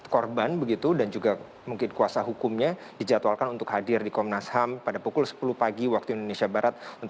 korban begitu dan juga mungkin kuasa hukumnya dijadwalkan untuk hadir di komnas ham pada pukul sepuluh pagi waktu indonesia barat